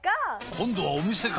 今度はお店か！